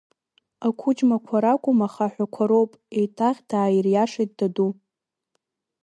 Ақәыџьмақәа ракәым, аха аҳәақәа роуп, еиҭах дааириашеит даду.